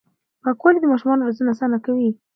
پاکوالي د ماشومانو روزنه اسانه کوي.